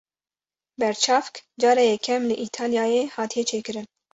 Berçavk cara yekem li Îtalyayê hatiye çêkirin.